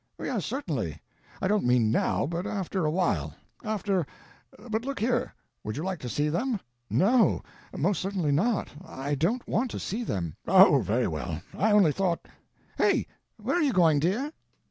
"Yes—certainly. I don't mean now; but after a while; after—but look here, would you like to see them?" "No! Most certainly not. I don't want to see them." "O, very well. I only thought—hey, where are you going, dear?"